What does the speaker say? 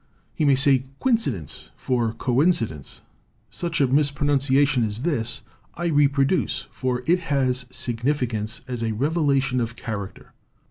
He may say 'quin cidence' for 'coincidence.' Such a mispronun ciation as this I reproduce, for it has its signifi cance as a revelation of character.